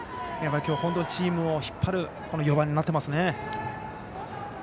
本当にチームを引っ張る４番になってますね。